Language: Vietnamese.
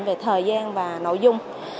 về thời gian và nội dung